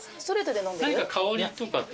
何か香りとかって。